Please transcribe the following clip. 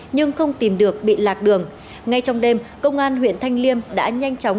nhưng không tìm được bị lạc đường ngay trong đêm công an huyện thanh liêm đã nhanh chóng